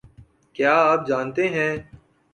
کیا آپ جانتے ہیں